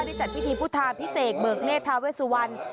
ได้จัดพิธีพุทธาพิเศษเบิกเนธทาเวสุวรรณ